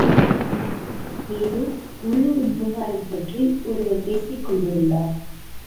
ஏதோ உள்ளுர் விவகாரம் பற்றி ஒருவர் பேசிக் கொண்டிருந்தார்.